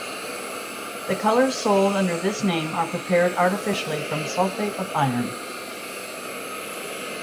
The colors sold under this name are prepared artificially from sulfate of iron.